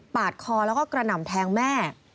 คอแล้วก็กระหน่ำแทงแม่